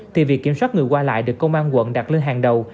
thì việc kiểm soát người qua lại được công an quận đặt lên hàng đầu